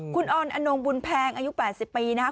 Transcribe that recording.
คุณออนอนงบุญแพงอายุ๘๐ปีนะครับ